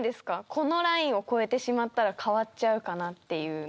このラインを越えてしまったら変わっちゃうかなっていうの。